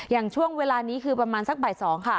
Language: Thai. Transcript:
อย่างช่วงเวลานี้คือประมาณสักบ่าย๒ค่ะ